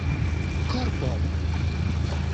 korpo